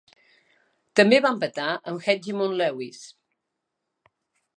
També va empatar amb Hedgemon Lewis.